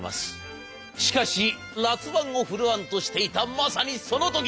しかし辣腕を振るわんとしていたまさにその時！